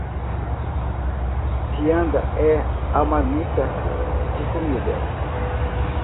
Vianda é a marmita de comida